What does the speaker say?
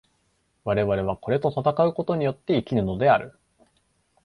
我々はこれと戦うことによって生きるのである。